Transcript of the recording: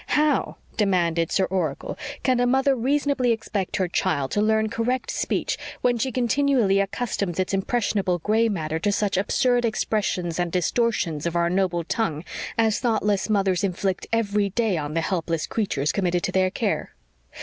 "How," demanded Sir Oracle, "can a mother reasonably expect her child to learn correct speech, when she continually accustoms its impressionable gray matter to such absurd expressions and distortions of our noble tongue as thoughtless mothers inflict every day on the helpless creatures committed to their care?